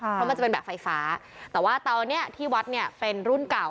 เพราะมันจะเป็นแบบไฟฟ้าแต่ว่าเตาเนี่ยที่วัดเนี่ยเป็นรุ่นเก่า